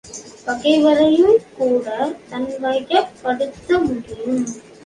பகைவரையும்கூடத் தன்வயப்படுத்த முடியும்.